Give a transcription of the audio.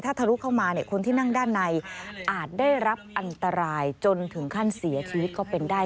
ถ้าทะลุเข้ามาคนที่นั่งด้านในอาจได้รับอันตรายจนถึงขั้นเสียชีวิตก็เป็นได้